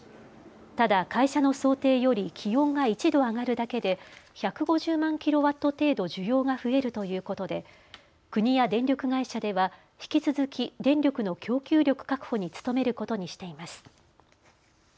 ただ会社の想定より気温が１度上がるだけで１５０万キロワット程度需要が増えるということで国や電力会社では引き続き電力の供給力確保に努めることにしています。